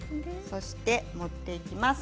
そして盛っていきます。